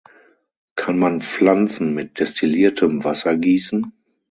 Kann man Pflanzen mit destilliertem Wasser gießen?